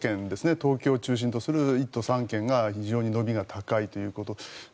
東京を中心とする１都３県が非常に伸びが高いということ。